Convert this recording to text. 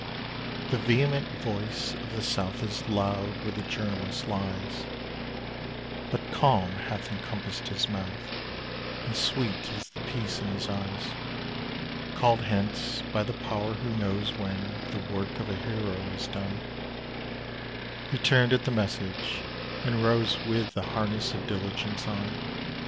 The vehement voice of the South Is loud where the journalist lies; But calm hath encompassed his mouth, And sweet is the peace in his eyes. Called hence by the Power who knows When the work of a hero is done, He turned at the message, and rose With the harness of diligence on.